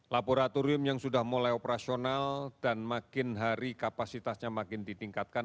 laboratorium yang sudah mulai operasional dan makin hari kapasitasnya makin ditingkatkan